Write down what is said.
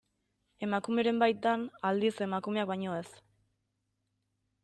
Emakumeren baitan, aldiz, emakumeak baino ez.